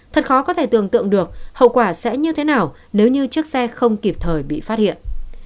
thật khó có thể tưởng tượng được hậu quả sẽ như thế nào nếu như chiếc xe không kịp thời bị phát hiện